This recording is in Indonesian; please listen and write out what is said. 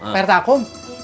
pak rt akum